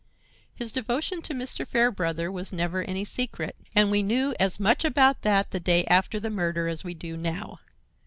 His devotion to Mr. Fairbrother was never any secret, and we knew as much about that the day after the murder as we do now.